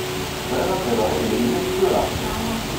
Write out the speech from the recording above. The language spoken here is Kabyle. Bɣiɣ ad d-rreɣ idrimen-iw tura.